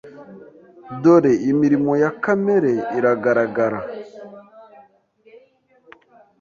Dore imirimo ya kamere iragaragara